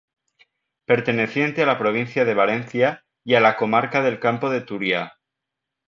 Perteneciente a la provincia de Valencia y a la comarca del Campo de Turia.